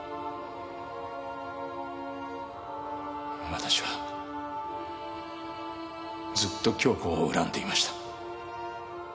私はずっと恭子を恨んでいました。